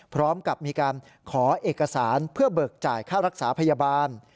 พร้อมกับมีการขอเอกสารเพื่อเบิกจ่ายค่ารักษาพยาบาล